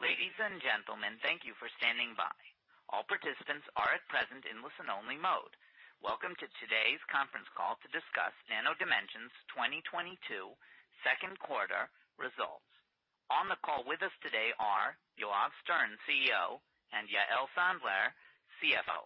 Ladies and gentlemen, thank you for standing by. All participants are at present in listen-only mode. Welcome to today's conference call to discuss Nano Dimension's 2022 second quarter results. On the call with us today are Yoav Stern, CEO, and Yael Sandler, CFO.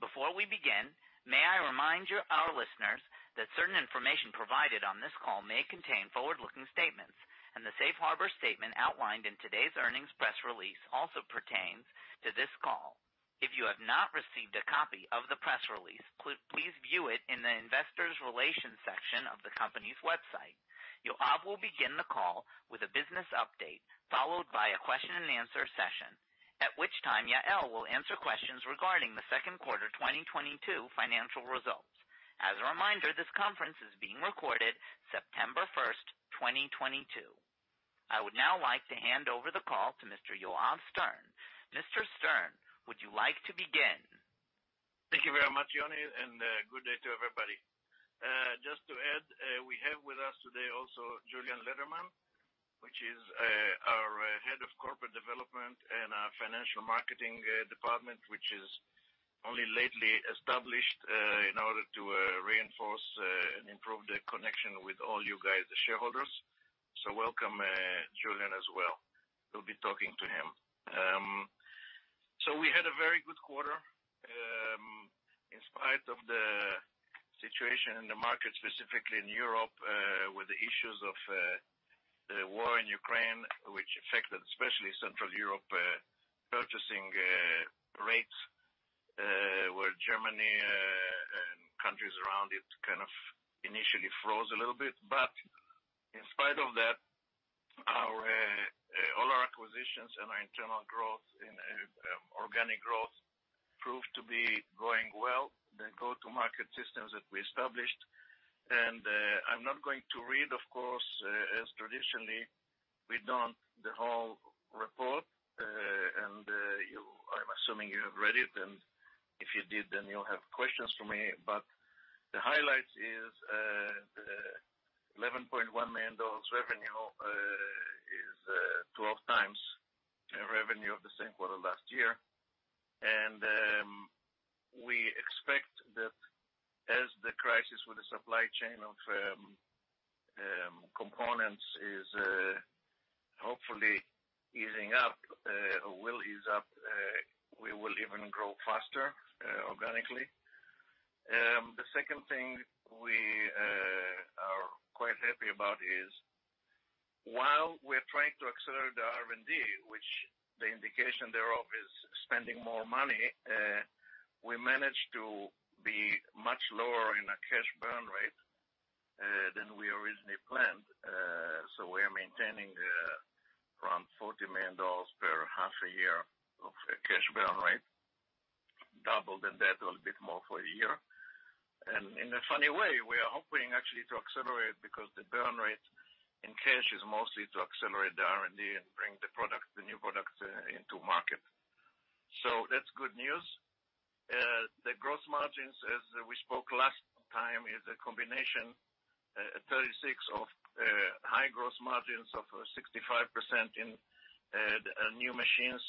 Before we begin, may I remind our listeners that certain information provided on this call may contain forward-looking statements, and the safe harbor statement outlined in today's earnings press release also pertains to this call. If you have not received a copy of the press release, please view it in the Investor Relations section of the company's website. Yoav will begin the call with a business update, followed by a question-and-answer answer session, at which time Yael will answer questions regarding the second quarter 2022 financial results. As a reminder, this conference is being recorded September 1st, 2022. I would now like to hand over the call to Mr. Yoav Stern. Mr. Stern, would you like to begin? Thank you very much, Yoni, and good day to everybody. Just to add, we have with us today also Julien Lederman, which is our head of corporate development and our financial marketing department, which is only lately established in order to reinforce and improve the connection with all you guys, the shareholders. Welcome, Julien as well. We'll be talking to him. We had a very good quarter in spite of the situation in the market, specifically in Europe, with the issues of the war in Ukraine, which affected especially Central Europe purchasing rates, where Germany and countries around it, kind of initially froze a little bit. In spite of that, all our acquisitions and our internal growth and organic growth proved to be going well, the go-to market systems that we established. I'm not going to read, of course, as traditionally we don't the whole report, and I'm assuming you have read it, and if you did, then you'll have questions for me. The highlight is the $11.1 million revenue is 12x the revenue of the same quarter last year. We expect that as the crisis with the supply chain of components is hopefully easing up or will ease up, we will even grow faster organically. The second thing we are quite happy about is while we're trying to accelerate the R&D, which the indication thereof is spending more money, we managed to be much lower in our cash burn rate than we originally planned. We're maintaining around $40 million per half a year of cash burn rate, double than that or a bit more for a year. In a funny way, we are hoping actually to accelerate because the burn rate in cash is mostly to accelerate the R&D and bring the product, the new products, into market. That's good news. The gross margins, as we spoke last time, is a combination, 36% of high gross margins of 65% in new machines,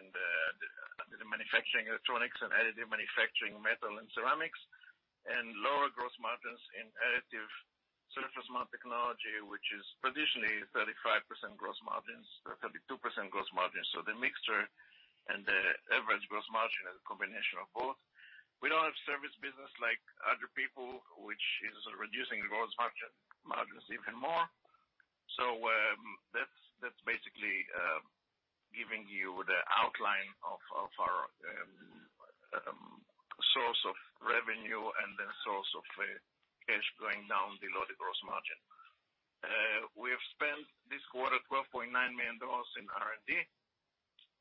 in the manufacturing electronics and additive manufacturing metal and ceramics, and lower gross margins in additive surface mount technology, which is traditionally 35% gross margins or 32% gross margins. The mixture and the average gross margin, a combination of both. We don't have service business like other people, which is reducing the gross margins even more. That's basically giving you the outline of our source of revenue and the source of cash going down below the gross margin. We have spent this quarter $12.9 million in R&D,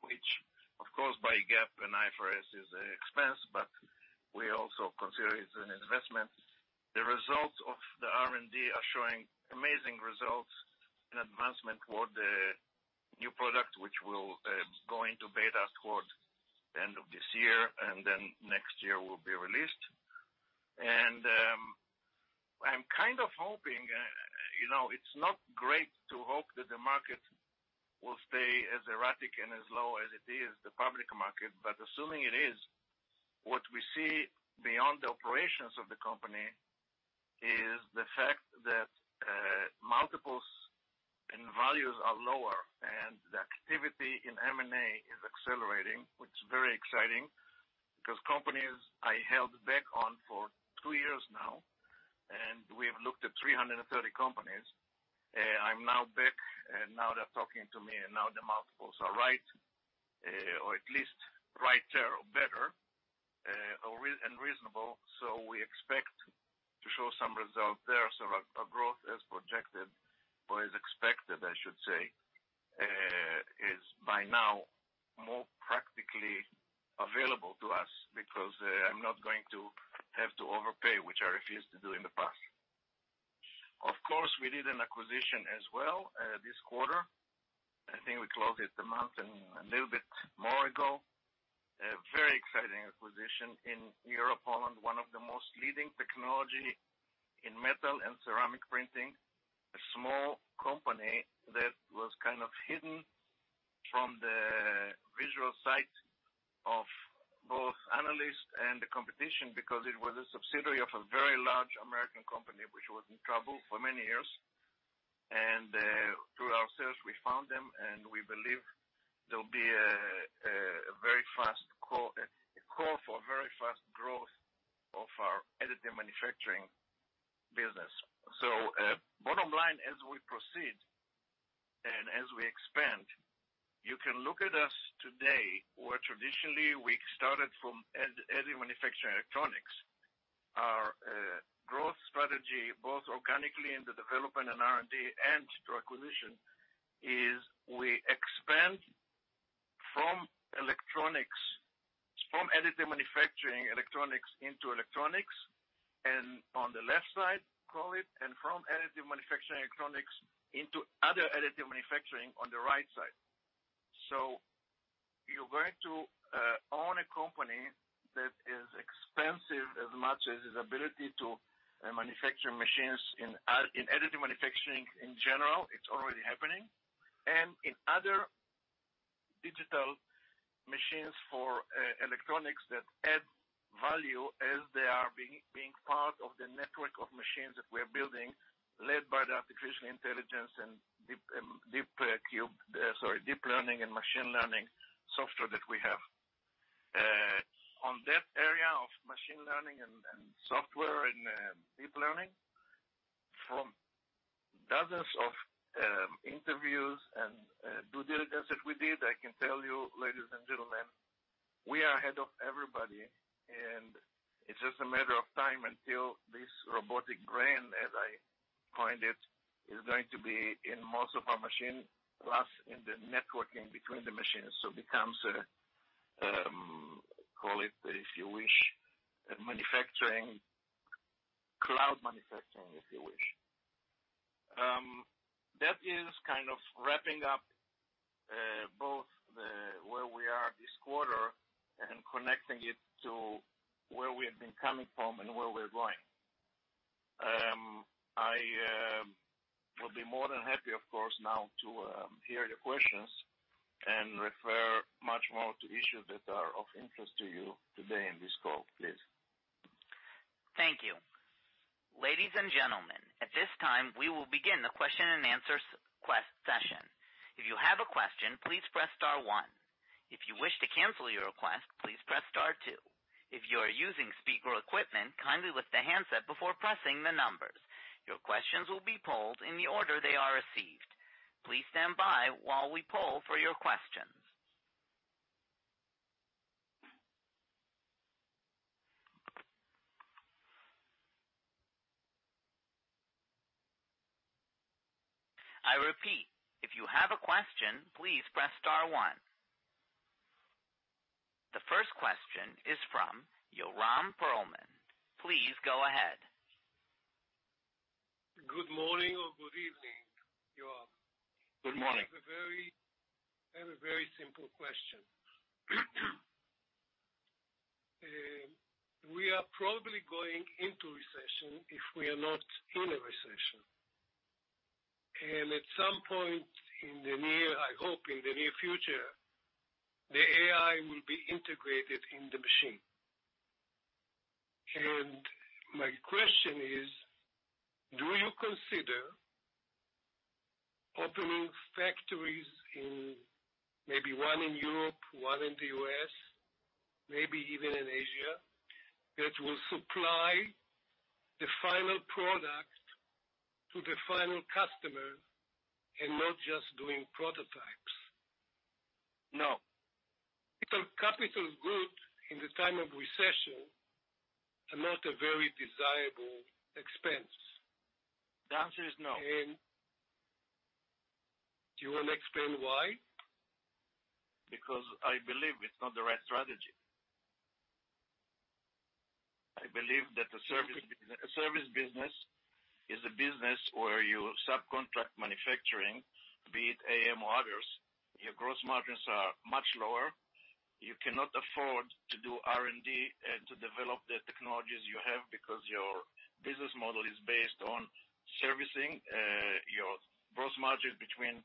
which of course by GAAP and IFRS is an expense, but we also consider it an investment. The results of the R&D are showing amazing results in advancement toward the new product, which will go into beta toward the end of this year, and then next year will be released. I'm kind of hoping, you know, it's not great to hope that the market will stay as erratic and as low as it is, the public market, but assuming it is, what we see beyond the operations of the company is the fact that multiples and values are lower, and the activity in M&A is accelerating, which is very exciting because companies I held back on for two years now, and we have looked at 330 companies. I'm now back, and now they're talking to me, and now the multiples are right, or at least righter or better, or reasonable. We expect to show some results there. A growth as projected or as expected, I should say, is by now more practically available to us because I'm not going to have to overpay, which I refused to do in the past. Of course, we did an acquisition as well, this quarter. I think we closed it a month and a little bit ago—Europe, Poland, one of the most leading technologies in metal and ceramic printing. A small company that was kind of hidden from the visual sight of both analysts and the competition because it was a subsidiary of a very large American company which was in trouble for many years. Through ourselves we found them, and we believe there'll be a very fast core for very fast growth of our additive manufacturing business. Bottom line, as we proceed and as we expand, you can look at us today, where traditionally we started from additive manufacturing electronics. Our growth strategy, both organically in the development and R&D and through acquisition, is we expand from electronics, from additive manufacturing electronics into electronics, and on the left side, call it, and from additive manufacturing electronics into other additive manufacturing on the right side. You're going to own a company that is expensive as much as its ability to manufacture machines in additive manufacturing in general. It's already happening. In other digital machines for electronics that add value as they are being part of the network of machines that we're building, led by the artificial intelligence and deep learning and machine learning software that we have. On that area of machine learning and software and deep learning, from dozens of interviews and due diligence that we did, I can tell you, ladies and gentlemen, we are ahead of everybody, and it's just a matter of time until this robotic brain, as I coined it, is going to be in most of our machines, plus in the networking between the machines. It becomes a, call it if you wish, a cloud manufacturing if you wish. That is kind of wrapping up both where we are this quarter and connecting it to where we have been coming from and where we're going. I will be more than happy, of course, now to hear your questions and refer much more to issues that are of interest to you today in this call, please. Thank you. Ladies and gentlemen, at this time, we will begin the question-and-answer session. If you have a question, please press star one. If you wish to cancel your request, please press star two. If you are using speaker equipment, kindly lift the handset before pressing the numbers. Your questions will be polled in the order they are received. Please stand by while we poll for your questions. I repeat, if you have a question, please press star one. The first question is from Yoram Perlman. Please go ahead. Good morning or good evening, Yoav. Good morning. I have a very simple question. We are probably going into recession if we are not in a recession. At some point, I hope in the near future, the AI will be integrated in the machine. My question is, do you consider opening factories in maybe one in Europe, one in the U.S., maybe even in Asia, that will supply the final product to the final customer and not just doing prototypes? No. Because capital goods in the time of recession are not a very desirable expense. The answer is no. Do you want to explain why? Because I believe it's not the right strategy. I believe that the Service business is a business where you subcontract manufacturing, be it AM or others. Your gross margins are much lower. You cannot afford to do R&D and to develop the technologies you have because your business model is based on servicing, your gross margin between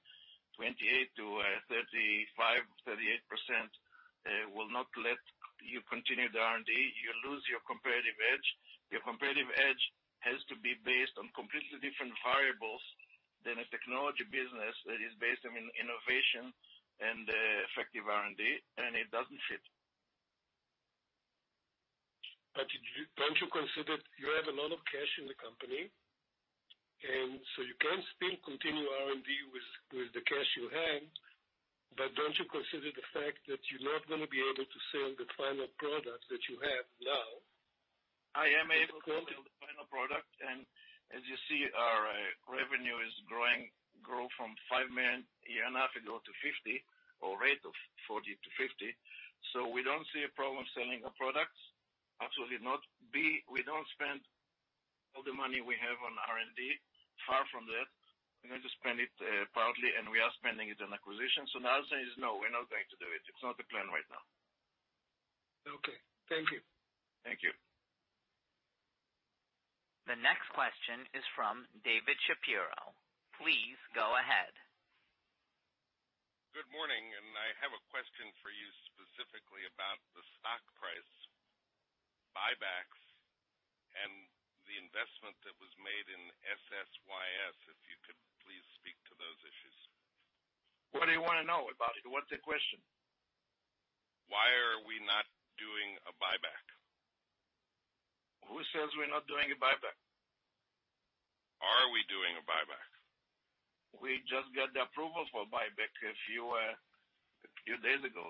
28% to 35%, 38% will not let you continue the R&D. You lose your competitive edge. Your competitive edge has to be based on completely different variables than a technology business that is based on innovation and effective R&D, and it doesn't fit. Don't you consider you have a lot of cash in the company, and so you can still continue R&D with the cash you have. Don't you consider the fact that you're not going to be able to sell the final product that you have now? I am able to sell the final product. As you see, our revenue is growing from $5 million a year and a half ago to $50 million or a rate of 40%-50%. We don't see a problem selling our products. Absolutely not. B, we don't spend all the money we have on R&D, far from that. We're going to spend it, proudly, and we are spending it on acquisition. The answer is no. We're not going to do it. It's not the plan right now. Okay. Thank you. Thank you. The next question is from David Shapiro. Please go ahead. Good morning. I have a question for you specifically about the stock price buybacks and the investment that was made in SSYS. If you could please speak to those issues. What do you want to know about it? What's the question? Why are we not doing a buyback? Who says we're not doing a buyback? Are we doing a buyback? We just got the approval for buyback a few days ago.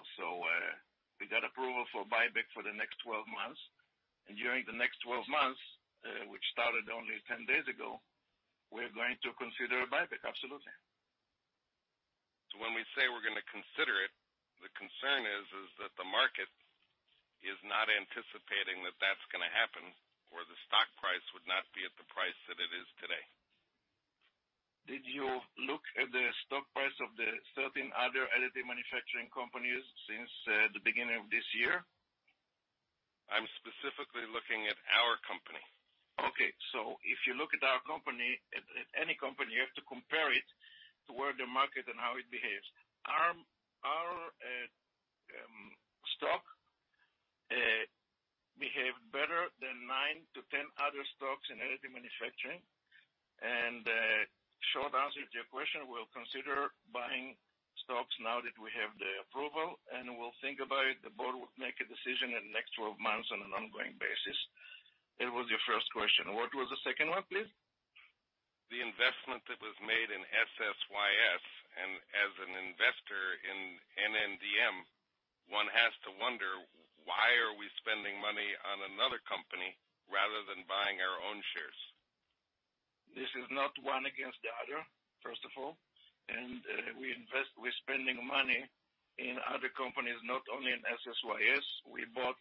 We got approval for buyback for the next 12 months. During the next 12 months, which started only 10 days ago, we're going to consider a buyback. Absolutely. When we say we're going to consider it, the concern is that the market is not anticipating that that's going to happen, or the stock price would not be at the price that it is today. Did you look at the stock price of the certain other additive manufacturing companies since the beginning of this year? I'm specifically looking at our company. Okay. If you look at our company, at any company, you have to compare it to where the market and how it behaves. Our stock behaved better than nine to 10 other stocks in additive manufacturing. Short answer to your question, we'll consider buying stocks now that we have the approval, and we'll think about it. The board will make a decision in the next 12 months on an ongoing basis. It was your first question. What was the second one, please? The investment that was made in SSYS. As an investor in NNDM, one has to wonder, why are we spending money on another company rather than buying our own shares? This is not one against the other, first of all. We're spending money in other companies, not only in SSYS, we bought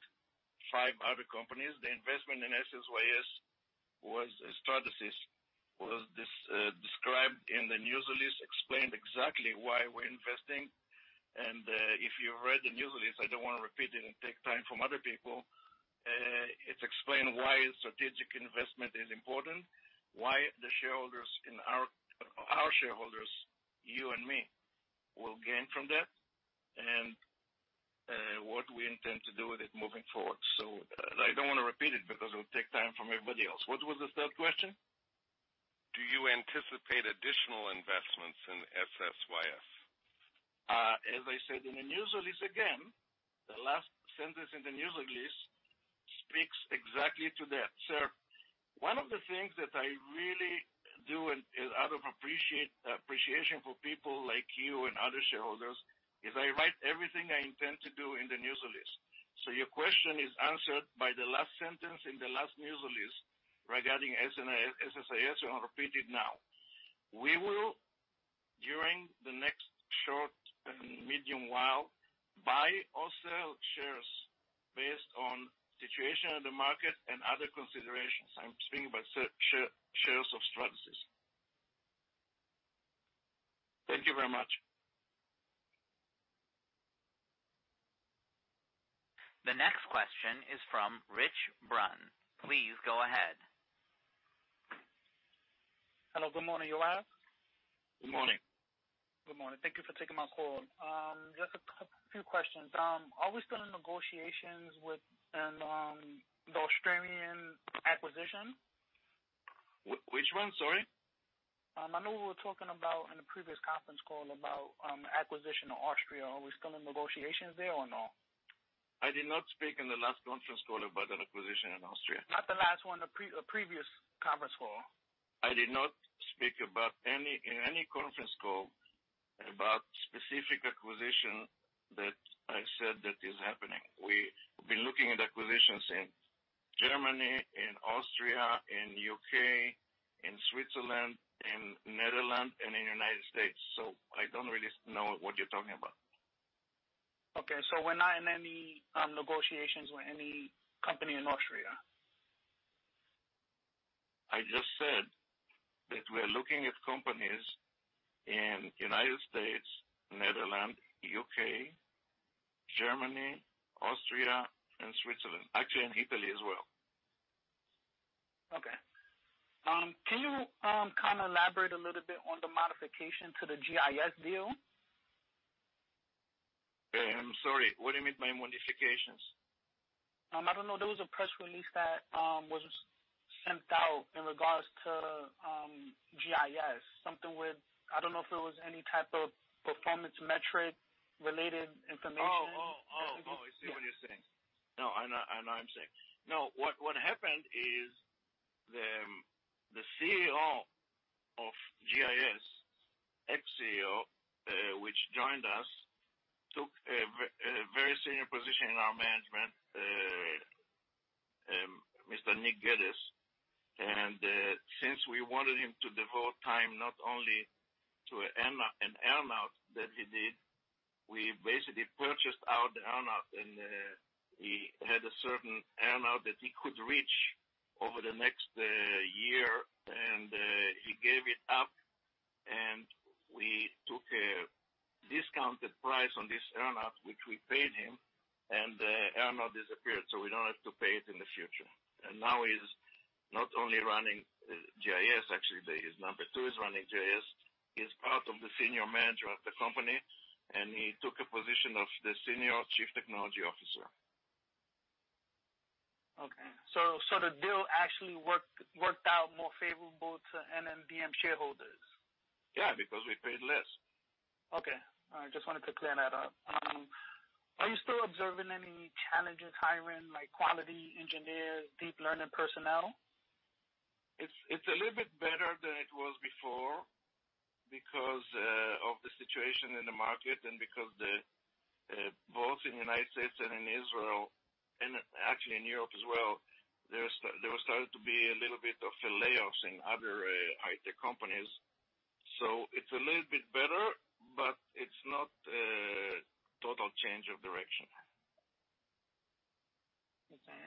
five other companies. The investment in SSYS was Stratasys, was described in the news release, explained exactly why we're investing. If you read the news release, I don't want to repeat it and take time from other people. It's explained why strategic investment is important, why our shareholders, you and me, will gain from that, and what we intend to do with it moving forward. I don't want to repeat it because it will take time from everybody else. What was the third question? Do you anticipate additional investments in SSYS? As I said in the news release, again, the last sentence in the news release speaks exactly to that. Sir, one of the things that I really do, out of appreciation for people like you and other shareholders, is I write everything I intend to do in the news release. Your question is answered by the last sentence in the last news release regarding SSYS. I'll repeat it now. We will, during the next short and medium while, buy or sell shares based on situation of the market and other considerations. I'm speaking about shares of Stratasys. Thank you very much. The next question is from Rich Brunn. Please go ahead. Hello. Good morning, Yoav. Good morning. Good morning. Thank you for taking my call. Just a few questions. Are we still in negotiations with the Australian acquisition? Which one? Sorry. I know we were talking about in the previous conference call about acquisition of Austria. Are we still in negotiations there, or no? I did not speak in the last conference call about an acquisition in Austria. Not the last one. The pre-previous conference call. I did not speak about any in any conference call about specific acquisition that I said that is happening. We've been looking at acquisitions in Germany, in Austria, in U.K., in Switzerland, in Netherlands and in United States, so I don't really know what you're talking about. Okay. We're not in any negotiations with any company in Austria. I just said that we're looking at companies in United States, Netherlands, U.K., Germany, Austria and Switzerland. Actually in Italy as well. Okay. Can you kind of elaborate a little bit on the modification to the GIS deal? I'm sorry. What do you mean by modifications? I don't know. There was a press release that was sent out in regard to GIS. I don't know if it was any type of performance metric related information. I see what you're saying. No, I know and I'm saying. No. What happened is the ex-CEO of GIS, who joined us, took a very senior position in our management, Mr. Nick Geddes. He basically bought out the earn-out and he had a certain earn-out that he could reach over the next year and he gave it up and we took a discounted price on this earn-out, which we paid him, and the earn-out disappeared, so we don't have to pay it in the future. Now he's not only running GIS, actually his number two is running GIS. He's part of the Senior Management of the company, and he took a position of the Senior Chief Technology Officer. The deal actually worked out more favorable to NNDM shareholders? Yeah, because we paid less. Okay. I just wanted to clear that up. Are you still observing any challenges hiring, like quality engineers, deep learning personnel? It's a little bit better than it was before because of the situation in the market and because in both the United States and in Israel, and actually in Europe as well, there was started to be a little bit of layoffs in other high-tech companies. It's a little bit better, but it's not a total change of direction. Okay.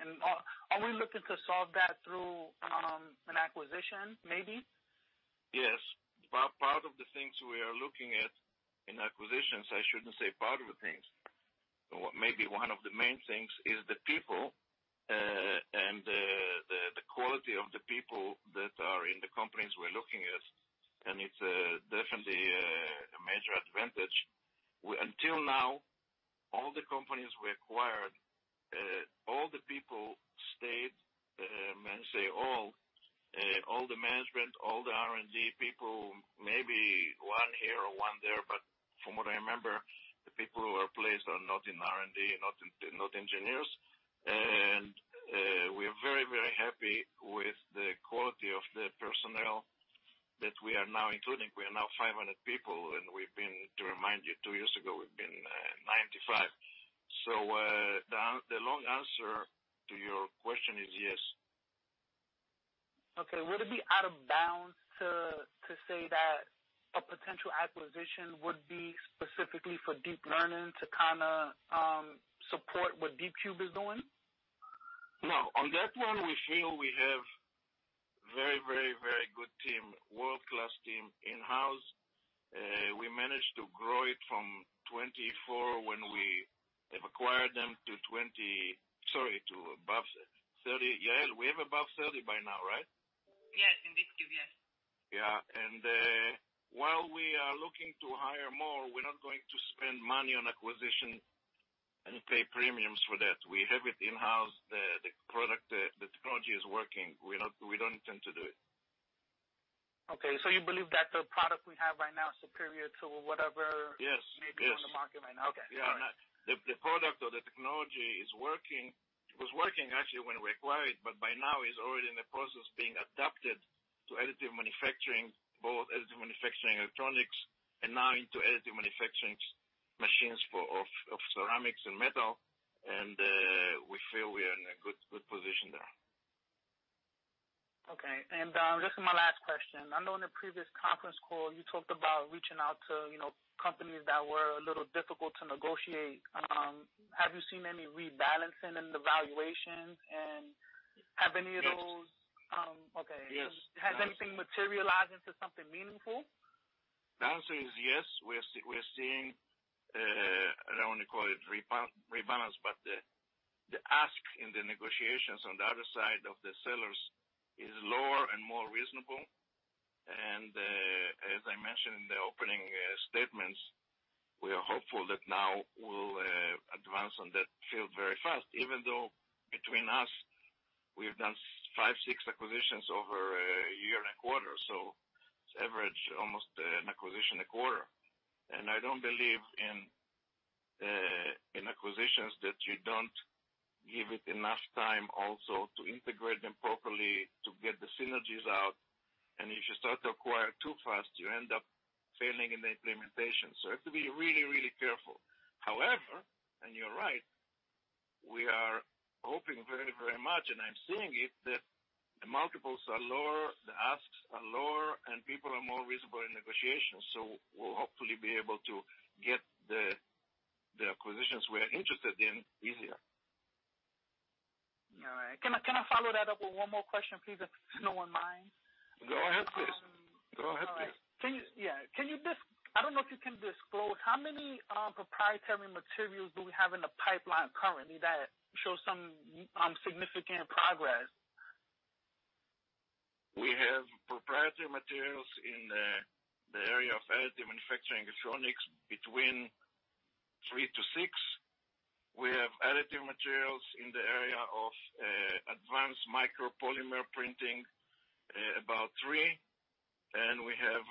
Are we looking to solve that through an acquisition maybe? Yes. Part of the things we are looking at in acquisitions. I shouldn't say part of the things. What may be one of the main things is the people, and the quality of the people that are in the companies we're looking at. It's definitely a major advantage. Until now, all the companies we acquired, all the people stayed. May I say all the management, all the R&D people, maybe one here or one there, but from what I remember, the people who are placed are not in R&D and not engineers. We are very, very happy with the quality of the personnel that we are now including. We are now 500 people, and we've been, to remind you, two years ago, we've been 95. The long answer to your question is yes. Okay. Would it be out of bounds to say that a potential acquisition would be specifically for deep learning to kind of support what DeepCube is doing? No. On that one, we feel we have very good team, world-class team in-house. We managed to grow it from 24 when we have acquired them to above 30. Yael, we have above 30 by now, right? Yes. In DeepCube, yes. Yeah. While we are looking to hire more, we're not going to spend money on acquisition and pay premiums for that. We have it in-house. The product, the technology is working. We don't intend to do it. Okay. You believe that the product we have right now is superior to whatever- Yes. Yes.... maybe on the market right now? Okay. All right. Yeah. The product or the technology is working. It was working actually when we acquired, but by now is already in the process being adapted to additive manufacturing, both additive manufacturing electronics and now into additive manufacturing machines for ceramics and metal. We feel we are in a good position there. Okay. This is my last question. I know in the previous conference call, you talked about reaching out to, you know, companies that were a little difficult to negotiate. Have you seen any rebalancing in the valuations and have any of those? Yes. Okay. Yes. Has anything materialized into something meaningful? The answer is yes. We are seeing, I don't want to call it rebalance, but the ask in the negotiations on the other side of the sellers is lower and more reasonable. As I mentioned in the opening statements, we are hopeful that now we'll advance on that field very fast. Even though between us, we've done five, six acquisitions over a year and a quarter. It's average almost an acquisition a quarter. I don't believe in acquisitions that you don't give it enough time also to integrate them properly, to get the synergies out. If you start to acquire too fast, you end up failing in the implementation. You have to be really, really careful. However, and you're right, we are hoping very, very much, and I'm seeing it, that the multiples are lower, the asks are lower, and people are more reasonable in negotiations. We'll hopefully be able to get the acquisitions we're interested in easier. All right. Can I follow that up with one more question, please, if no one minds? Go ahead, please. Um- Go ahead, please. All right. I don't know if you can disclose how many proprietary materials do we have in the pipeline currently that show some significant progress? We have proprietary materials in the area of Additive Manufacturing Electronics between three to six. We have additive materials in the area of Advanced Micro Polymer Printing about three. We have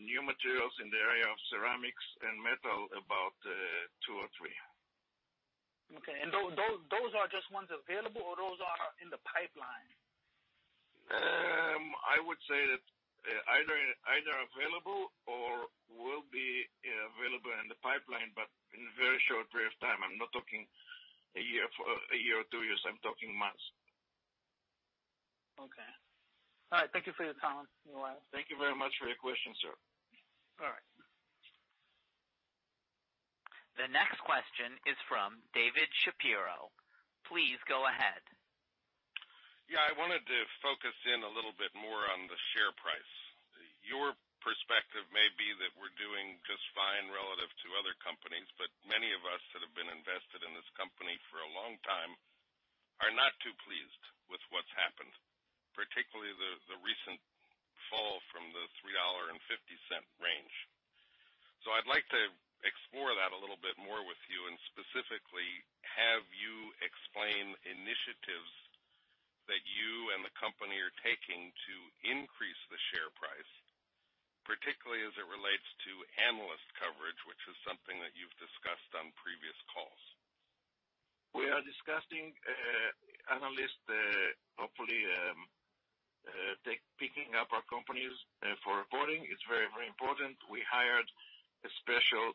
new materials in the area of ceramics and metal about two or three. Okay. Those are just ones available or those are in the pipeline? I would say that either available or will be available in the pipeline, but in a very short period of time. I'm not talking a year or two years. I'm talking months. Thank you for your time. Thank you very much for your question, Sir. All right. The next question is from David Shapiro. Please go ahead. Yeah. I wanted to focus on a little bit more on the share price. Your perspective may be that we're doing just fine relative to other companies, but many of us that have been invested in this company for a long time are not too pleased with what's happened, particularly the recent fall from the $3.50 range. I'd like to explore that a little bit more with you, and specifically, have you explained initiatives that you and the company are taking to increase the share price, particularly as it relates to analyst coverage, which is something that you've discussed on previous calls? We are discussing analysts hopefully picking up our companies for reporting. It's very, very important. We hired a special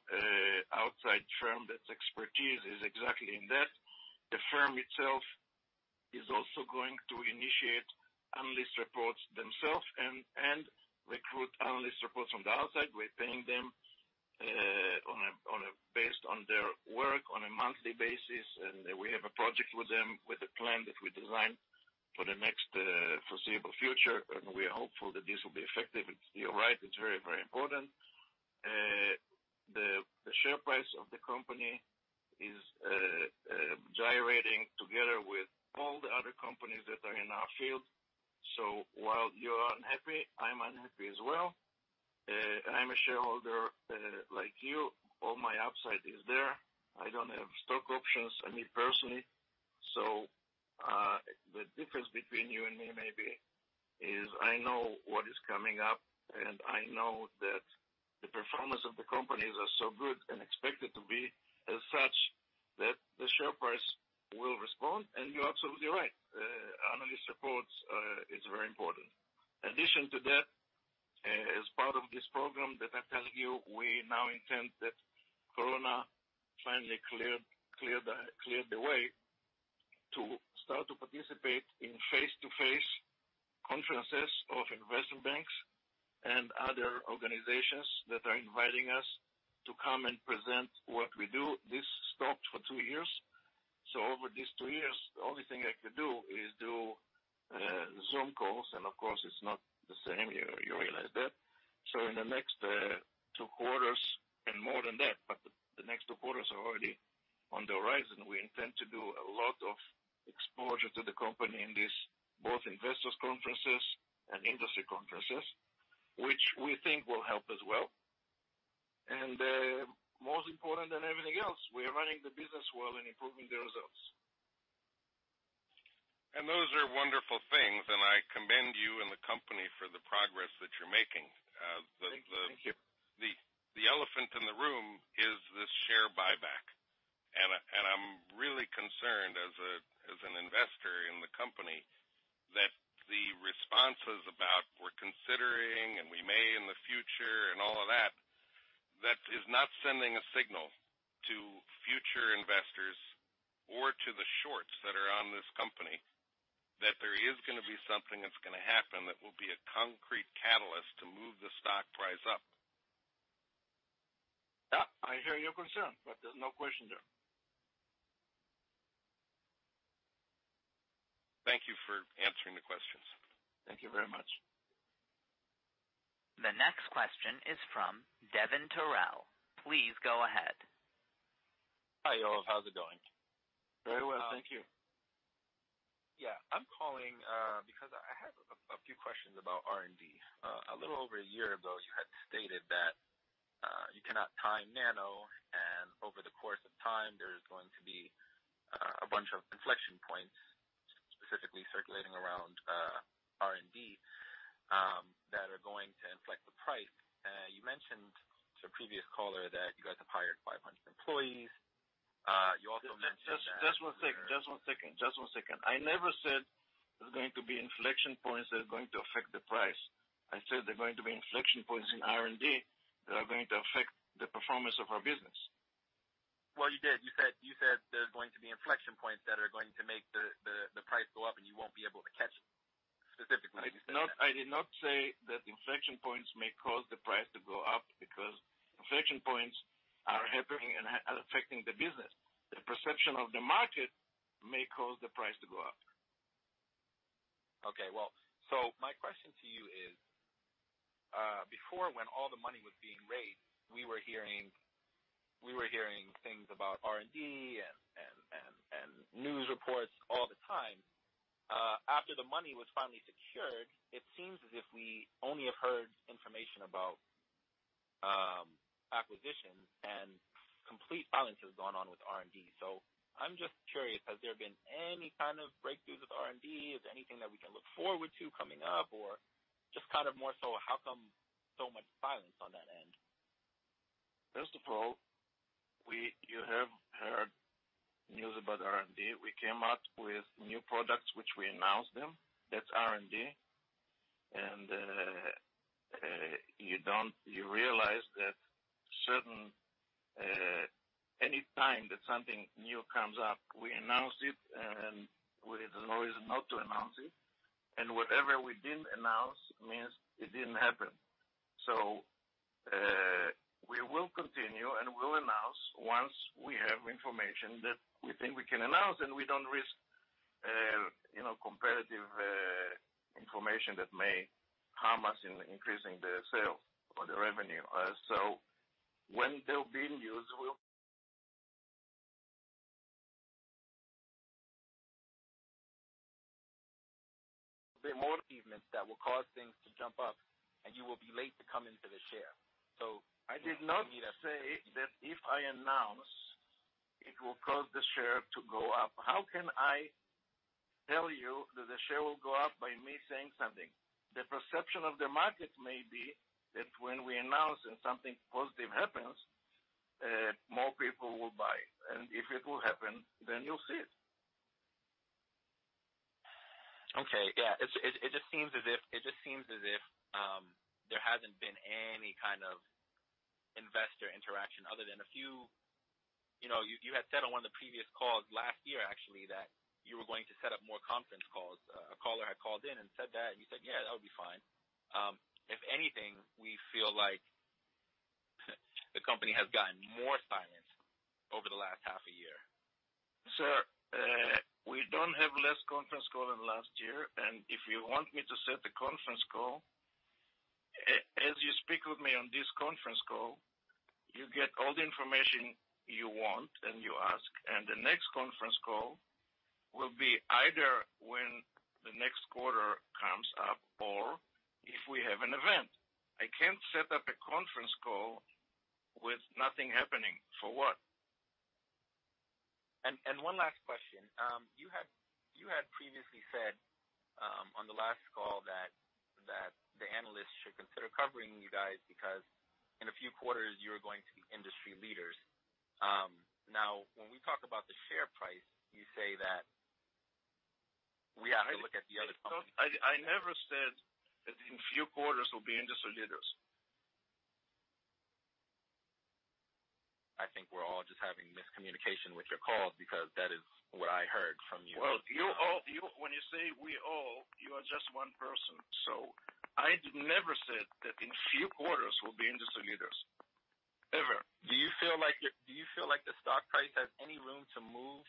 outside firm that's expertise is exactly in that. The firm itself is also going to initiate analyst reports themselves and recruit analyst reports from the outside. We're paying them based on their work on a monthly basis. We have a project with them with a plan that we designed for the next foreseeable future. We are hopeful that this will be effective. You're right, it's very, very important. The share price of the company is gyrating together with all the other companies that are in our field. While you're unhappy, I'm unhappy as well. I'm a shareholder like you. All my upside is there. I don't have stock options, I mean, personally. The difference between you and me maybe is I know what is coming up, and I know that the performance of the companies are so good and expected to be as such that the share price will respond. You're absolutely right. Analyst reports is very important. In addition to that, as part of this program that I tell you, we now intend that Corona finally cleared the way to start to participate in face-to-face conferences of investment banks and other organizations that are inviting us to come and present what we do. This stopped for two years. Over these two years, the only thing I could do is do Zoom calls, and of course it's not the same, you realize that. In the next two quarters and more than that, but the next two quarters are already on the horizon, we intend to do a lot of exposure to the company in this, both Investors' Conferences and Industry Conferences, which we think will help as well. More important than everything else, we are running the business well and improving the results. Those are wonderful things, and I commend you and the company for the progress that you're making. Thank you. The elephant in the room is this share buyback. I'm really concerned as an investor in the company that the responses about we're considering and we may in the future and all of that is not sending a signal to future investors or to the shorts that are on this company, that there is going to be something that's going to happen that will be a concrete catalyst to move the stock price up. Yeah, I hear your concern, but there's no question there. Thank you for answering the questions. Thank you very much. The next question is from Devin Terrell. Please go ahead. Hi, Yoav. How's it going? Very well. Thank you. Yeah. I'm calling because I have a few questions about R&D. A little over a year ago, you had stated that you cannot time Nano, and over the course of time, there's going to be a bunch of inflection points, specifically circulating around R&D, that are going to inflect the price. You mentioned to a previous caller that you guys have hired 500 employees. You also mentioned that- Just one second. I never said there's going to be inflection points that are going to affect the price. I said there're going to be inflection points in R&D that are going to affect the performance of our business. Well, you did. You said there's going to be inflection points that are going to make the price go up, and you won't be able to catch it. Specifically, you said that. I did not say that inflection points may cause the price to go up because inflection points are happening and affecting the business. The perception of the market may cause the price to go up. Okay. Well, my question to you is, before when all the money was being raised, we were hearing things about R&D and news reports all the time. After the money was finally secured, it seems as if we only have heard information about acquisitions and complete silence has gone on with R&D. I'm just curious, has there been any kind of breakthroughs with R&D? Is there anything that we can look forward to coming up? Or just kind of more so how come so much silence on that end? First of all, you have heard news about R&D. We came out with new products, which we announced them. That's R&D. You realize that certainly anytime that something new comes up, we announce it, and there's no reason not to announce it. Whatever we didn't announce means it didn't happen. We will continue, and we'll announce once we have information that we think we can announce, and we don't risk you know, competitive information that may harm us in increasing the sales or the revenue. When there will be news, there'll be more achievements that will cause things to jump up, and you will be late to come into the share. I did not say that if I announce, it will cause the share to go up. How can I tell you that the share will go up by me saying something? The perception of the market may be that when we announce and something positive happens, more people will buy. If it will happen, then you'll see it. Okay. Yeah. It just seems as if there hasn't been any kind of investor interaction other than a few. You know, you had said on one of the previous calls last year actually, that you were going to set up more conference calls. A caller had called in and said that, and you said, yeah, that'll be fine. If anything, we feel like the company has gotten more silent over the last half a year. Sir, we don't have fewer conference calls than last year. If you want me to set a conference call, as you speak with me on this conference call, you get all the information you want and you ask, the next conference call will be either when the next quarter comes up or if we have an event. I can't set up a conference call with nothing happening. For what? One last question. You had previously said on the last call that the analysts should consider covering you guys because in a few quarters, you're going to be industry leaders. Now, when we talk about the share price, you say that we have to look at the other companies. I never said that in few quarters we'll be industry leaders. I think we're all just having miscommunication with your calls because that is what I heard from you. Well, you all. When you say we all, you are just one person. I never said that in few quarters we'll be industry leaders. Ever. Do you feel like the stock price has any room to move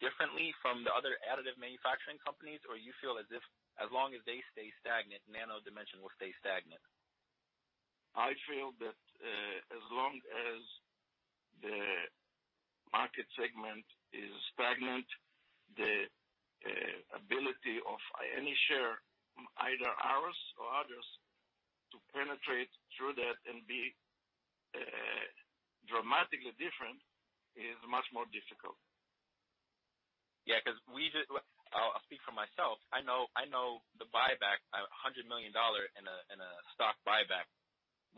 differently from the other additive manufacturing companies, or you feel as if as long as they stay stagnant, Nano Dimension will stay stagnant? I feel that, as long as the market segment is stagnant, the ability of any share, either ours or others, to penetrate through that and be dramatically different is much more difficult. I'll speak for myself. I know the buyback, a $100 million in a stock buyback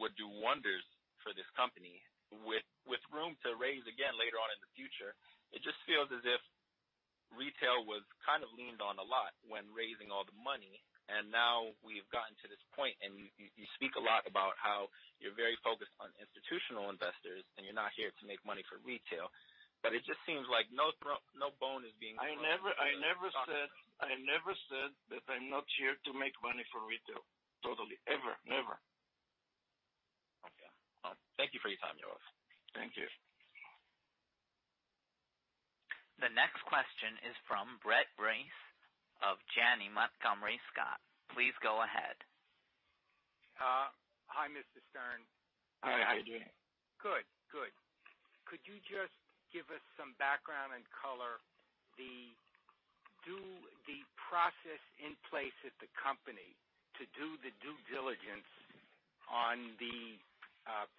would do wonders for this company with room to raise again later on in the future. It just feels as if retail was kind of leaned on a lot when raising all the money, and now we've gotten to this point, and you speak a lot about how you're very focused on institutional investors, and you're not here to make money for retail. It just seems like no bone is being- I never said that I'm not here to make money for retail. Totally. Ever. Never. Okay. All right. Thank you for your time, Yoav. Thank you. The next question is from Brett Reiss of Janney Montgomery Scott. Please go ahead. Hi, Mr. Stern. Hi, Brett. How are you doing? Good. Good. Could you just give us some background and color the process in place at the company to do the due diligence on the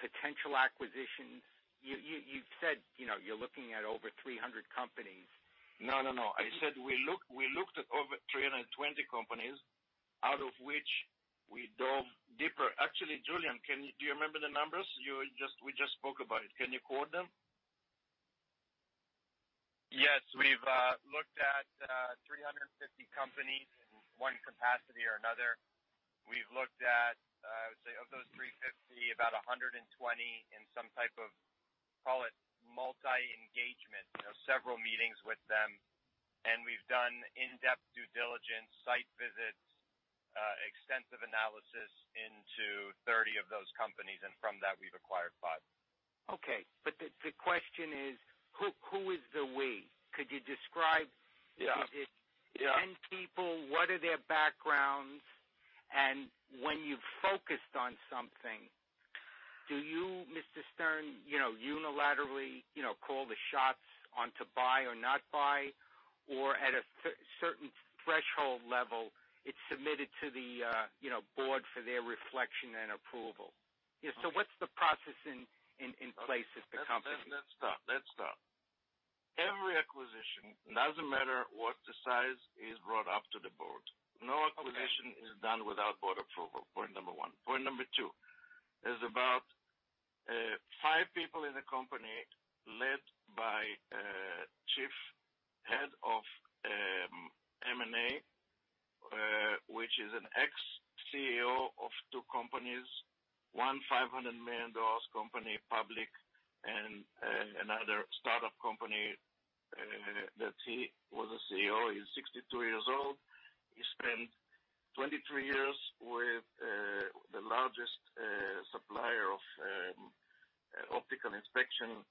potential acquisition? You said, you know, you're looking at over 300 companies. No, no. I said we looked at over 320 companies, out of which we dove deeper. Actually, Julien, do you remember the numbers? We just spoke about it. Can you quote them? Yes. We've looked at 350 companies in one capacity or another. We've looked at, say, of those 350, about 120 in some type of, call it multi-engagement, you know, several meetings with them. We've done in-depth due diligence, site visits, extensive analysis into 30 of those companies, and from that, we've acquired five. Okay. The question is: who is the we? Could you describe- Yeah. Is it- Yeah. Ten people? What are their backgrounds? When you focused on something, do you, Mr. Stern, you know, unilaterally, you know, call the shots on to buy or not buy, or at a certain threshold level, it's submitted to the, you know, board for their reflection and approval? Yeah. Okay. What's the process in place at the company? Let's start. Every acquisition, doesn't matter what the size, is brought up to the board. Okay. No acquisition is done without board approval, point number one. Point number two is about five people in the company led two companies. One, $500 million company, public, and another startup company that he was a CEO. He's 62 years old. He spent 23 years with the largest supplier of optical inspection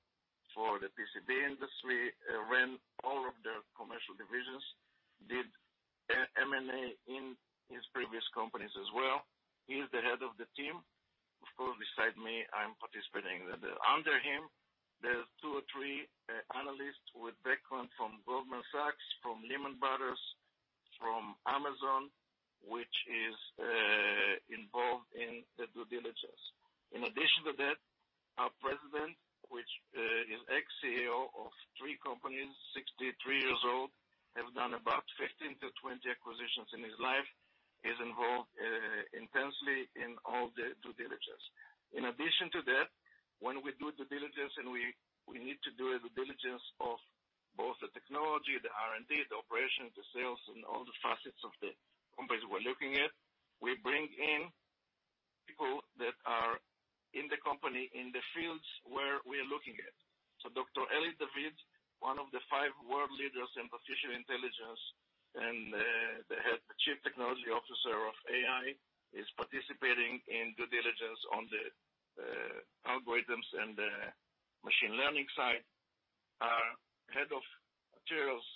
for the PCB industry. Ran all of their commercial divisions, did M&A in his previous companies as well. He is the head of the team. Of course, beside me, I'm participating. Under him, there's two or three analysts with background from Goldman Sachs, from Lehman Brothers, from Amazon, which is involved in the due diligence. In addition to that, our president, which is ex-CEO of three companies, 63 years old, have done about 15-20 acquisitions in his life, is involved intensely in all the due diligence. In addition to that, when we do due diligence and we need to do a due diligence of both the technology, the R&D, the operations, the sales, and all the facets of the companies we're looking at, we bring in people that are in the company in the fields where we are looking at. Dr. Eli David, one of the five world leaders in artificial intelligence and the Chief Technology Officer of AI, is participating in due diligence on the algorithms and the machine learning side. Our Head of Materials,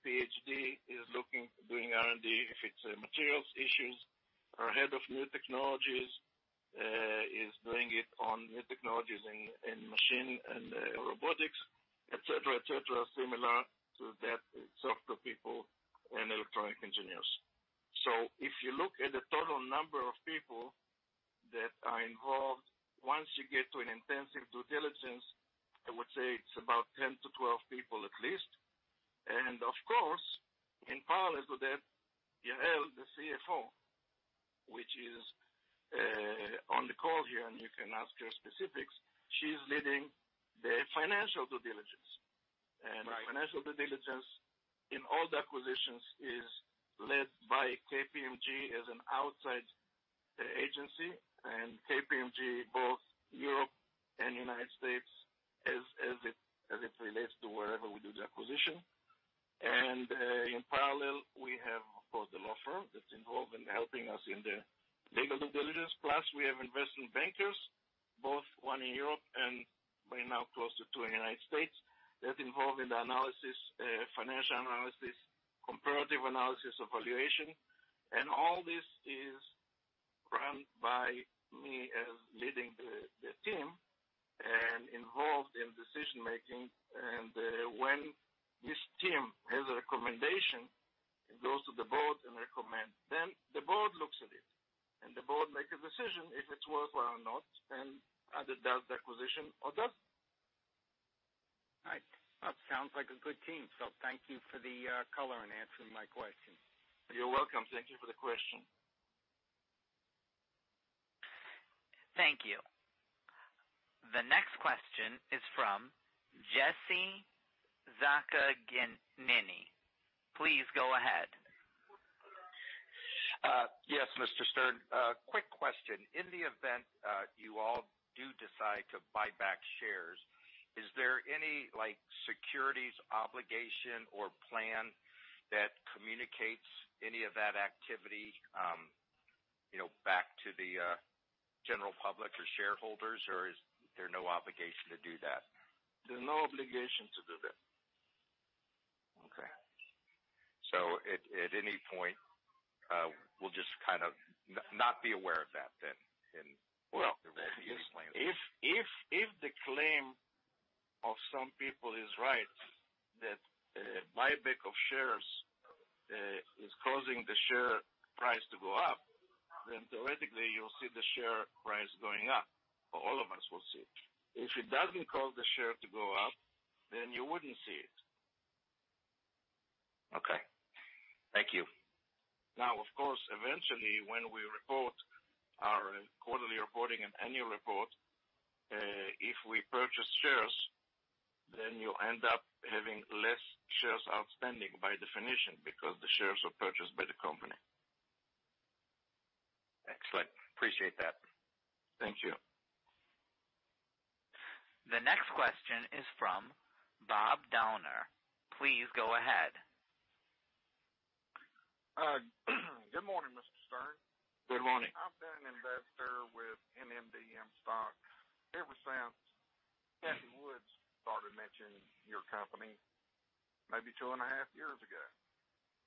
Ph.D., is looking to doing R&D if it's materials issues. Our Head of New Technologies is doing it on new technologies in machinery and robotics, et cetera, similar to that software people and electronics engineers. If you look at the total number of people that are involved, once you get to an intensive due diligence, I would say it's about 10-12 people at least. Of course, in parallel to that, Yael, the CFO, who is on the call here, and you can ask her specifics, she's leading the financial due diligence. Right. Financial due diligence in all the acquisitions is led by KPMG as an outside agency, and KPMG, both Europe and United States, as it relates to wherever we do the acquisition. In parallel, we have, of course, the law firm that's involved in helping us in the legal due diligence. We have investment bankers, both one in Europe and by now closer to one in United States, that's involved in the analysis, financial analysis, comparative analysis of valuation. All this is run by me as leading the team and involved in decision-making. When this team has a recommendation, it goes to the board and recommend. The board looks at it, and the board make a decision if it's worthwhile or not, and either does the acquisition or doesn't. All right. That sounds like a good team. Thank you for the color in answering my question. You're welcome. Thank you for the question. Thank you. The next question is from Jesse Zachagnini. Please go ahead. Yes, Mr. Stern. A quick question. In the event, you all do decide to buy back shares, is there any, like, securities obligation or plan that communicates any of that activity, you know, back to the general public or shareholders? Or is there no obligation to do that? There's no obligation to do that. Okay. At any point, we'll just kind of not be aware of that then. Well-... the various plans. If the claim of some people is right that buyback of shares is causing the share price to go up, then theoretically, you'll see the share price going up. All of us will see it. If it doesn't cause the share to go up, then you wouldn't see it. Okay. Thank you. Now, of course, eventually, when we report our quarterly reporting and annual report, if we purchase shares, then you end up having less shares outstanding by definition because the shares are purchased by the company. Excellent. Appreciate that. Thank you. The next question is from Bob Downer. Please go ahead. Good morning, Mr. Stern. Good morning. I've been an investor with NNDM stocks ever since Cathie Wood started mentioning your company maybe 2.5 years ago.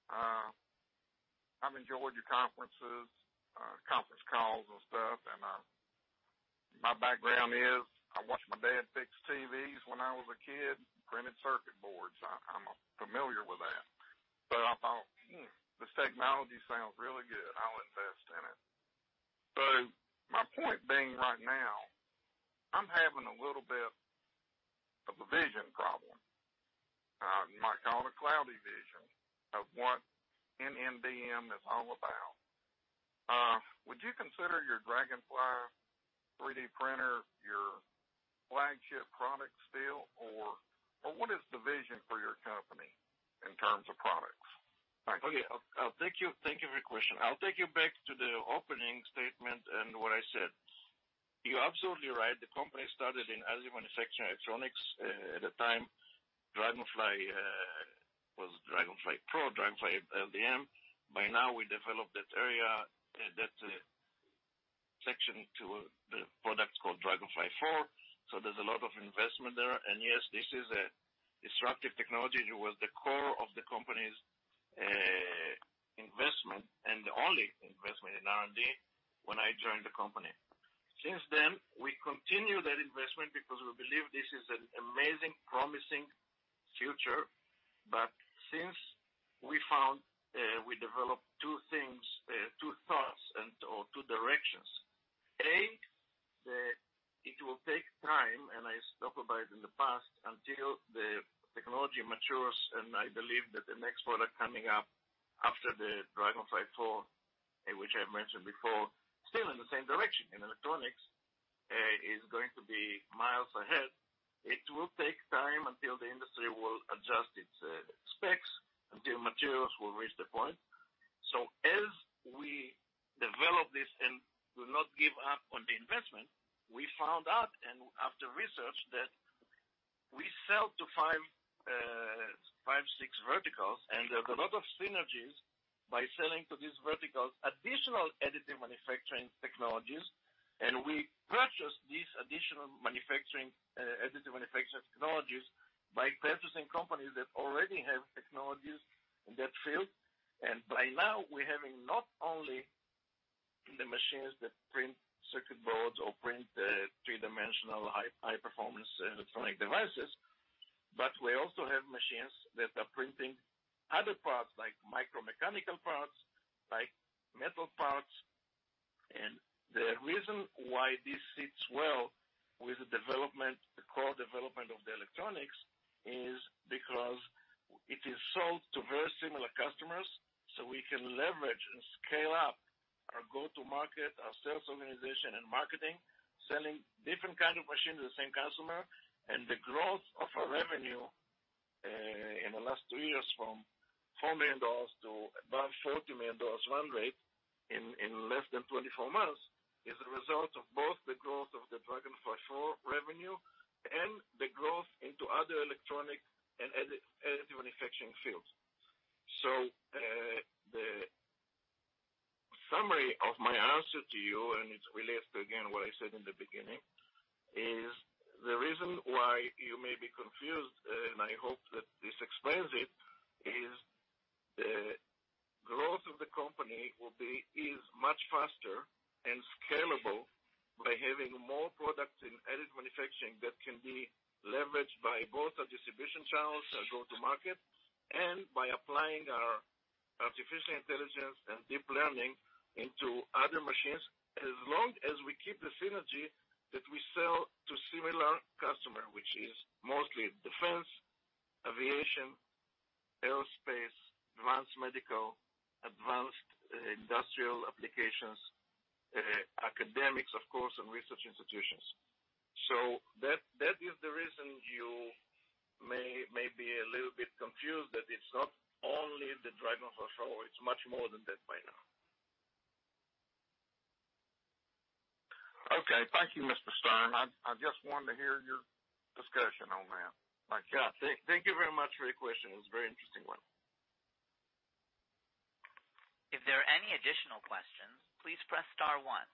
I've enjoyed your conferences, conference calls and stuff. My background is, I watched my dad fix TVs when I was a kid, printed circuit boards. I'm familiar with that. I thought, hmm, this technology sounds really good. I'll invest in it. My point being right now, I'm having a little bit of a vision problem. You might call it a cloudy vision of what NNDM is all about or what is the vision for your company in terms of products? Okay. I'll take you. Thank you for your question. I'll take you back to the opening statement and what I said. You're absolutely right. The company started in additive manufacturing electronics. At the time, Dragonfly was DragonFly Pro, DragonFly LDM. By now we developed that area, that section to the product called DragonFly IV. There's a lot of investment there. Yes, this is a disruptive technology. It was the core of the company's investment and the only investment in R&D when I joined the company. Since then, we continue that investment because we believe this is an amazing, promising future. Since we found, we developed two things, two thoughts and/or two directions. It will take time, and I spoke about it in the past, until the technology matures, and I believe that the next product coming up after the DragonFly IV, which I mentioned before, still in the same direction, in electronics, is going to be miles ahead. It will take time until the industry will adjust its specs, until materials will reach the point. As we develop this and will not give up on the investment, we found out and after research that we sell to five, six verticals, and there's a lot of synergies by selling to these verticals, additional additive manufacturing technologies. We purchase these additional manufacturing, additive manufacturing technologies by purchasing companies that already have technologies in that field. By now, we're having not only the machines that print circuit boards or print three-dimensional high-performance electronic devices, but we also have machines that are printing other parts, like micromechanical parts, like metal parts. The reason why this sits well with the development, the core development of the electronics is because it is sold to very similar customers, so we can leverage and scale up our go-to-market, our sales organization and marketing, selling different kind of machines to the same customer. The growth of our revenue in the last three years from $4 million to above $40 million run rate in less than 24 months is a result of both the growth of the Dragonfly Four revenue and the growth into other electronic and additive manufacturing fields. The summary of my answer to you, and it relates to, again, what I said in the beginning, is the reason why you may be confused, and I hope that this explains it, is the growth of the company will be, is much faster and scalable by having more products in additive manufacturing that can be leveraged by both our distribution channels, our go-to-market, and by applying our artificial intelligence and deep learning into other machines. As long as we keep the synergy that we sell to similar customer, which is mostly defense, aviation, aerospace, advanced medical, advanced industrial applications, academics, of course, and research institutions. That is the reason you may be a little bit confused that it's not only the Dragonfly Four, it's much more than that by now. Okay. Thank you, Mr. Stern. I just wanted to hear your discussion on that. My gosh. Thank you very much for your question. It was a very interesting one. If there are any additional questions, please press star one.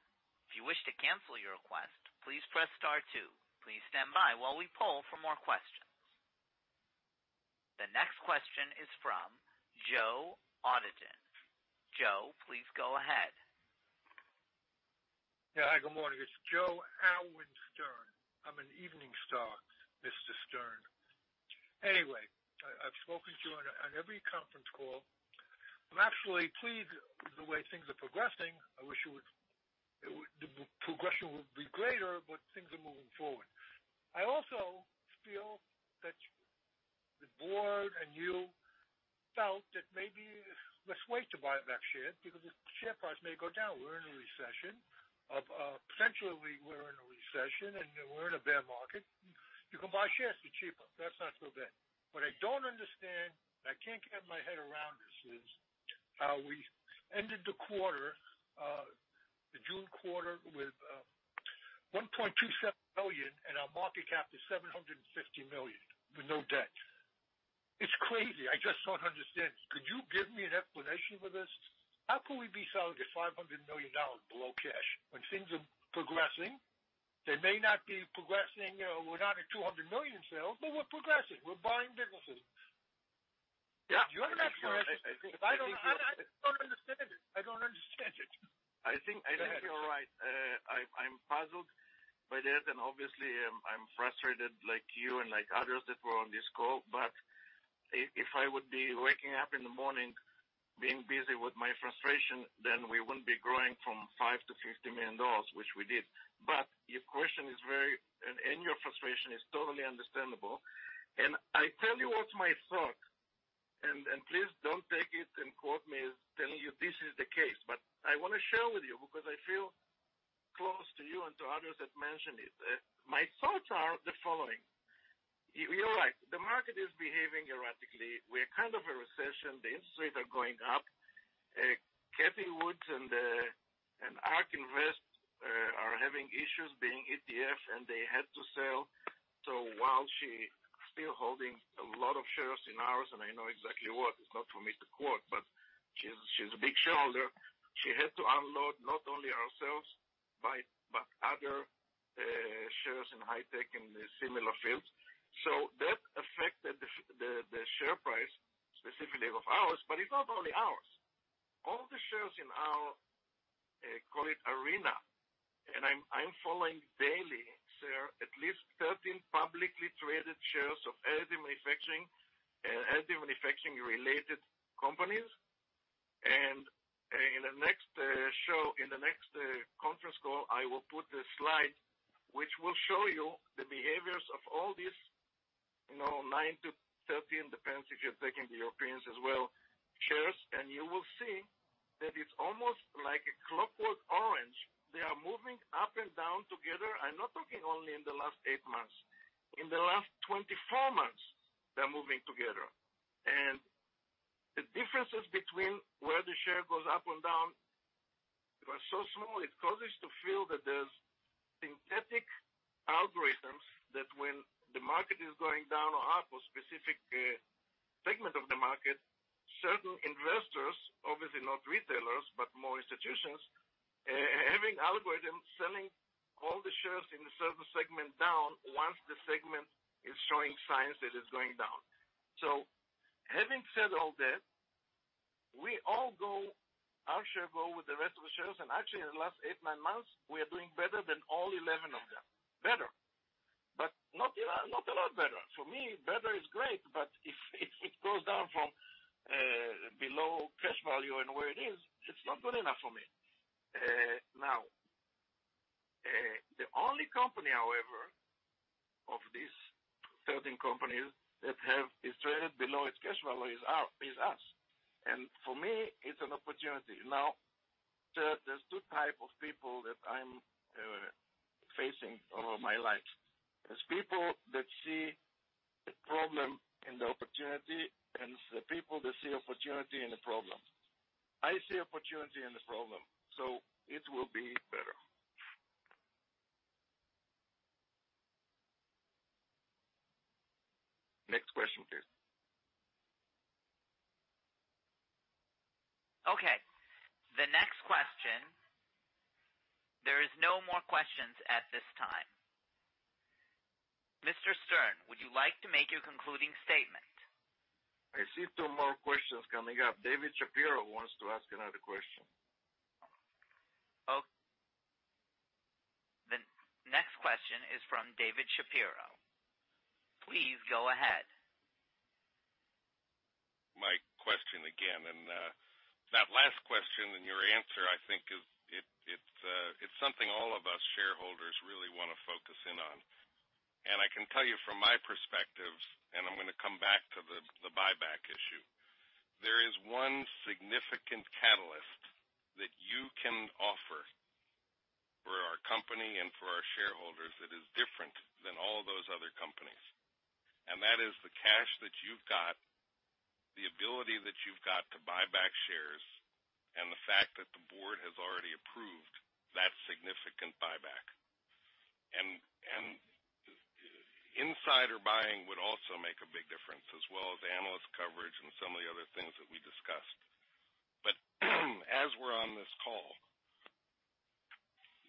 If you wish to cancel your request, please press star two. Please stand by while we poll for more questions. The next question is from Joe Alwin Stern. Joe, please go ahead. Yeah. Hi, good morning. It's Joe Alwin Stern. I'm an evening star, Mr. Stern. Anyway, I've spoken to you on every conference call. I'm actually pleased with the way things are progressing. I wish the progression would be greater, but things are moving forward. I also feel that the board and you felt that maybe let's wait to buy back shares because the share price may go down. We're in a recession or potentially we're in a recession, and we're in a bear market. You can buy shares for cheaper. That's not so bad. What I don't understand, I can't get my head around this is, how we ended the quarter, the June quarter with $1.27 billion, and our market cap is $750 million with no debt. It's crazy. I just don't understand. Could you give me an explanation for this? How can we be selling at $500 million below cash when things are progressing? They may not be progressing, we're not at $200 million sales, but we're progressing. We're buying businesses. Yeah. You're an expert. I don't understand it. I think you're right. I'm puzzled by that. Obviously, I'm frustrated like you and like others that were on this call. If I would be waking up in the morning being busy with my frustration, then we wouldn't be growing from $5 million to $50 million, which we did. Your question is very and your frustration is totally understandable. I tell you what my thoughts are. Please don't take it and quote me as telling you this is the case, but I want to share with you because I feel close to you and to others that mention it. My thoughts are the following. You're right, the market is behaving erratically. We're kind of in a recession. The interest rates are going up. Cathie Wood and ARK Invest are having issues being ETF, and they had to sell. While she still holding a lot of shares in ours, and I know exactly what, it's not for me to quote, but she's a big shareholder. She had to unload not only ourselves but other shares in high-tech in the similar fields. That affected the share price specifically of ours, but it's not only ours. All the shares in our arena, and I'm following daily. There are at least 13 publicly traded shares of additive manufacturing related companies. In the next conference call, I will put a slide which will show you the behaviors of all these, you know, nine to 13, depends if you're taking the Europeans as well, shares. You will see that it's almost like a clockwork orange. They are moving up and down together. I'm not talking only in the last eight months. In the last 24 months, they're moving together. The differences between where the share goes up and down are so small, it causes to feel that there's systematic algorithms that when the market is going down or up, or specific segment of the market, certain investors, obviously not retailers, but more institutions, having algorithms selling all the shares in the certain segment down once the segment is showing signs that it's going down. Having said all that, we all go, our shares go with the rest of the shares. Actually, in the last eight, nine months, we are doing better than all 11 of them. Better, but not a lot better. For me, better is great, but if it goes down from below cash value and where it is, it's not good enough for me. The only company, however, of these 13 companies that have is traded below its cash value is us. For me, it's an opportunity. There's two types of people that I'm facing all my life. There's people that see a problem in the opportunity and the people that see opportunity in the problem. I see opportunity in the problem, so it will be better. Next question, please. Okay, the next question. There is no more questions at this time. Mr. Stern, would you like to make your concluding statement? I see two more questions coming up. David Shapiro wants to ask another question. The next question is from David Shapiro. Please go ahead. My question again, that last question and your answer I think it's something all of us shareholders really want to focus in on. I can tell you from my perspective, I'm going to come back to the buyback issue. There is one significant catalyst that you can offer for our company and for our shareholders that is different than all those other companies. That is the cash that you've got, the ability that you've got to buy back shares, and the fact that the board has already approved that significant buyback. Insider buying would also make a big difference, as well as analyst coverage and some of the other things that we discussed. As we're on this call,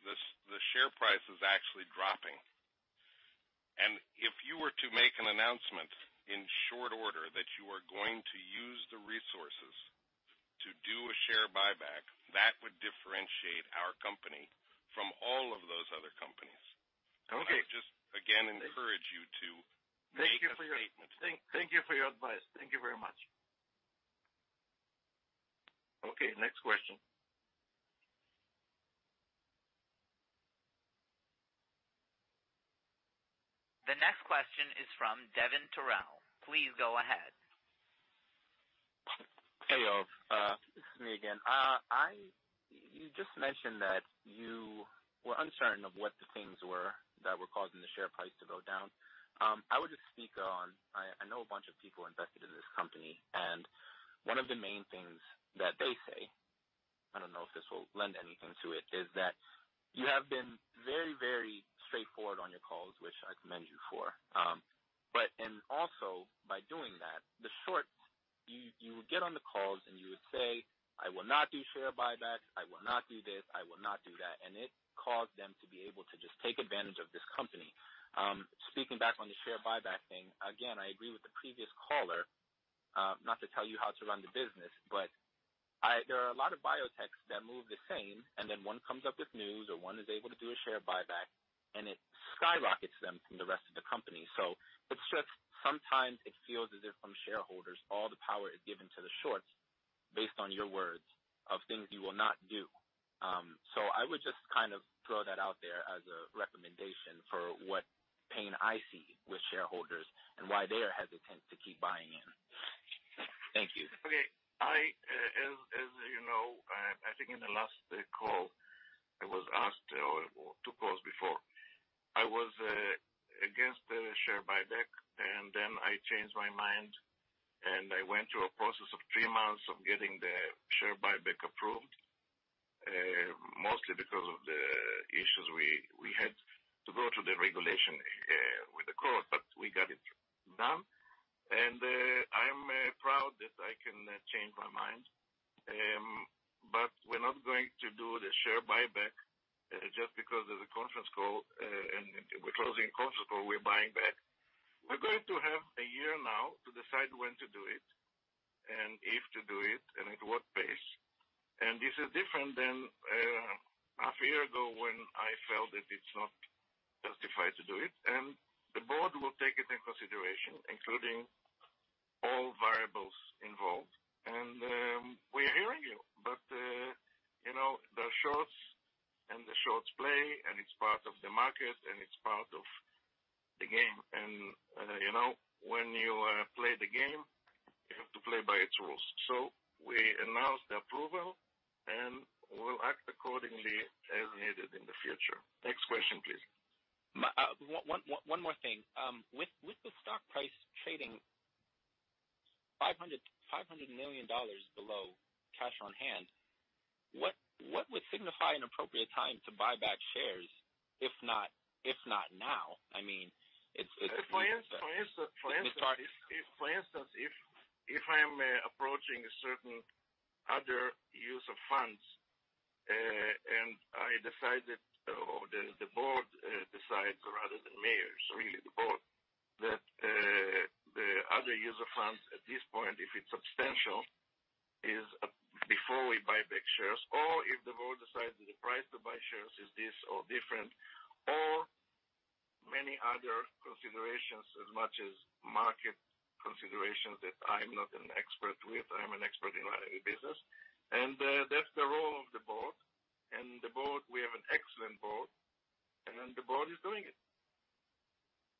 the share price is actually dropping. If you were to make an announcement in short order that you are going to use the resources to do a share buyback, that would differentiate our company from all of those other companies. Okay. I would just again encourage you to- Thank you for your-... make a statement. Thank you for your advice. Thank you very much. Okay, next question. The next question is from Devin Terrell. Please go ahead. Hey, Yoav. It's me again. You just mentioned that you were uncertain of what the things were that were causing the share price to go down. I would just speak on. I know a bunch of people invested in this company, and one of the main things that they say, I don't know if this will lend anything to it, is that you have been very, very straightforward on your calls, which I commend you for. And also, by doing that, the shorts, you would get on the calls, and you would say, I will not do share buybacks. I will not do this. I will not do that. It caused them to be able to just take advantage of this company. Speaking back on the share buyback thing, again, I agree with the previous caller, not to tell you how to run the business. There are a lot of Biotechs that move the same, and then one comes up with news, or one is able to do a share buyback, and it skyrockets them from the rest of the company. It's just sometimes it feels as if from shareholders, all the power is given to the shorts. Based on your words of things you will not do. I would just kind of throw that out there as a recommendation for what pain I see with shareholders and why they are hesitant to keep buying in. Thank you. Okay. As you know, I think in the last call, I was asked or two calls before. I was against the share buyback, and then I changed my mind and I went through a process of three months of getting the share buyback approved, mostly because of the issues we had to go through the regulation with the court, but we got it done. I am proud that I can change my mind. We're not going to do the share buyback just because of the conference call, and we're closing conference call, we're buying back. We're going to have a year now to decide when to do it and if to do it and at what pace. This is different than 0.5 year ago when I felt that it's not justified to do it. The board will take it into consideration, including all variables involved. We are hearing you. You know, the shorts play, and it's part of the market and it's part of the game. You know, when you play the game, you have to play by its rules. We announced the approval, and we'll act accordingly as needed in the future. Next question, please. One more thing. With the stock price trading $500 million below cash on hand, what would signify an appropriate time to buy back shares, if not now? I mean, it's- For instance, if I'm approaching a certain other use of funds, and I decide that or the board decides rather than me, so really the board, that the other use of funds at this point, if it's substantial, is before we buy back shares or if the board decides that the price to buy shares is this or different or many other considerations as much as market considerations that I'm not an expert with. I'm an expert in another business. That's the role of the board. The board, we have an excellent board, and then the board is doing it.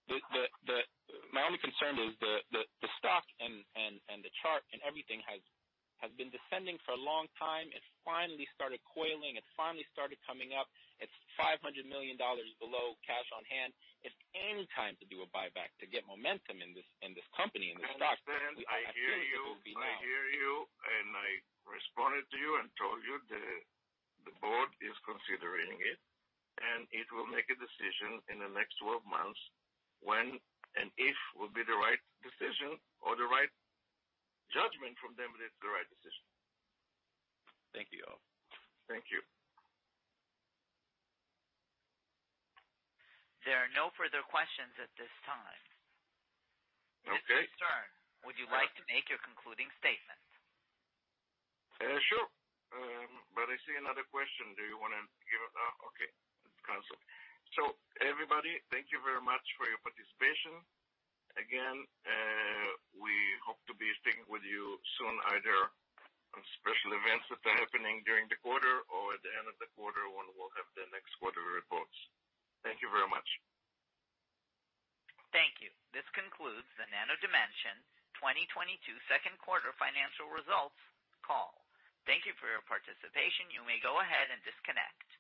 My only concern is the stock and the chart, and everything has been descending for a long time. It's finally started coiling. It's finally started coming up. It's $500 million below cash on hand. It's any time to do a buyback to get momentum in this company, in this stock. I understand. I hear you. I think it would be now. I hear you, and I responded to you and told you the board is considering it, and it will make a decision in the next 12 months when and if will be the right decision or the right judgment from them that it's the right decision. Thank you all. Thank you. There are no further questions at this time. Okay. Mr. Stern, would you like to make your concluding statement? Sure. I see another question. Okay. It's canceled. Everybody, thank you very much for your participation. Again, we hope to be speaking with you soon, either on special events that are happening during the quarter or at the end of the quarter when we'll have the next quarter reports. Thank you very much. Thank you. This concludes the Nano Dimension 2022 second quarter financial results call. Thank you for your participation. You may go ahead and disconnect.